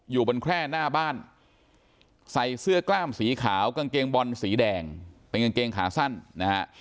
อยู่บนแคร่หน้าบ้านใส่เสื้อกล้ามสีขาวกางเกงบอลสีแดงเป็นกางเกงขาสั้นนะฮะ